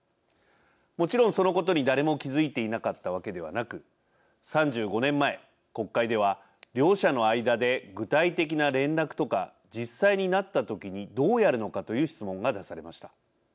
もちろん、そのことに誰も気付いていなかったわけではなく３５年前、国会では両者の間で具体的な連絡とか実際になった時にどうやるのかという質問が出されました。